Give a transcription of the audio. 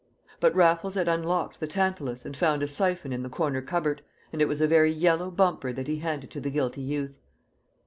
But Raffles had unlocked the tantalus and found a syphon in the corner cupboard, and it was a very yellow bumper that he handed to the guilty youth.